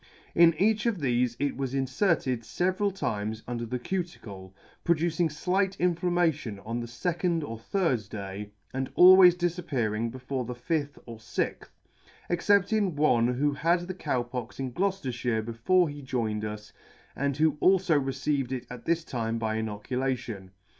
In each of thefe it was inferted feveral times under the cuticle, producing flight inflammation on the fecond or third day, and always difappear ing before the fifth or Sixth ; except in one who had the Cow Pox in Gloucefterfhire before he joined us, and who alfo received it at this time by inoculation.